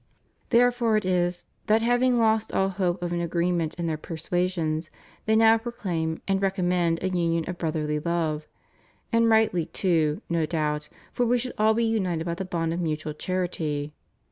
Therefore it is, that having lost all hope of an agree ment in their persuasions, they now proclaim and recom mend a union of brotherly love. And rightly, too, no doubt, for we should all be united by the bond of mutual charity.